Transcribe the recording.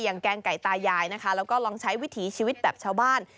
แกงไก่ตายายนะคะแล้วก็ลองใช้วิถีชีวิตแบบชาวบ้าน